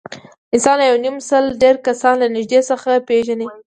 انسانان له یونیمسل ډېر کسان له نږدې څخه نه پېژني.